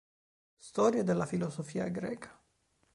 Storia della filosofia greca.